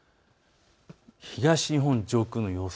東日本上空の予想